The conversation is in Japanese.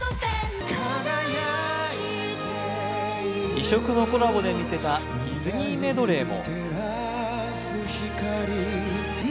異色のコラボで見せたディズニーメドレーも。